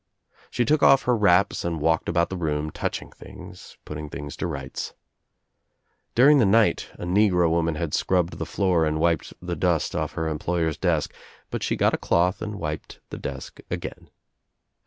She took off her wraps and walked about the room touching things, putting things to rights. During the night a negro woman had scrubbed the floor and wiped the dust off her employer's desk but she got a cloth and wiped the desk again.